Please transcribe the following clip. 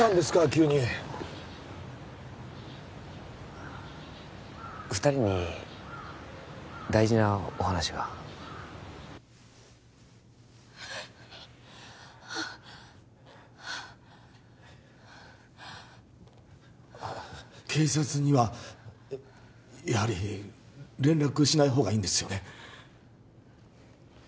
急に二人に大事なお話が警察にはやはり連絡しないほうがいいんですよね？